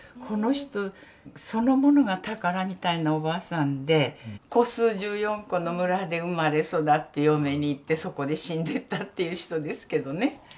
この人そのものが宝みたいなおばあさんで戸数１４戸の村で生まれ育って嫁に行ってそこで死んでったっていう人ですけどね。